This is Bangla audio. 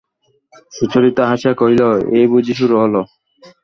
সুচরিতা হাসিয়া কহিল, এই বুঝি শুরু হল!